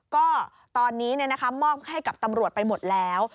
ก็ตอนนี้มอบให้กับตำรวจไปหมดแล้ว